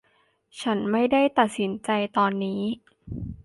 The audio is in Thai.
ฉันไม่ได้ตัดสินใจตอนนี้